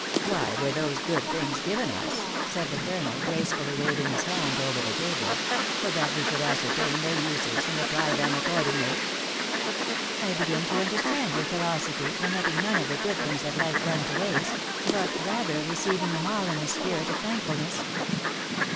" Why were these good things given us," said the colonel, gracefully waving his hand over the table, " but that we should ascertain their uses, and apply them accordingly ?"" I begin to understand your philosophy, in letting none of the good things of life run to waste, but rather receiving them all in the spirit of thankfulness."